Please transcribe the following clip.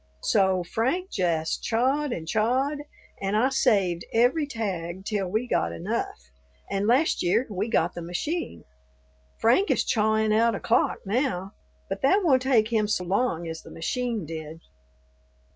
So Frank jest chawed and chawed, and I saved every tag till we got enough, and last year we got the machine. Frank is chawin' out a clock now; but that won't take him so long as the machine did."